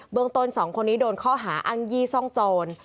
เบื้องตน๒คนนี้โดนเข้าหาอังยีซ่องโจร